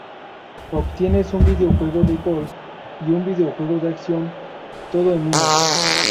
Obtienes un videojuego de golf y un videojuego de acción, todo en uno≫.